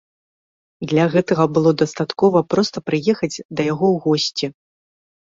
Для гэтага было дастаткова проста прыехаць да яго ў госці.